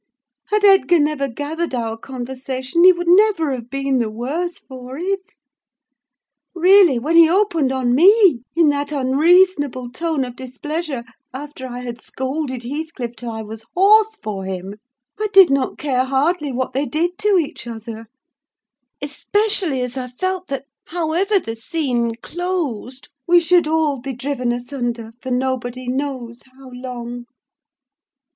Had Edgar never gathered our conversation, he would never have been the worse for it. Really, when he opened on me in that unreasonable tone of displeasure after I had scolded Heathcliff till I was hoarse for him; I did not care hardly what they did to each other; especially as I felt that, however the scene closed, we should all be driven asunder for nobody knows how long!